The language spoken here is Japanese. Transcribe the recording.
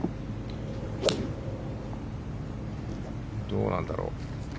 どうなんだろう。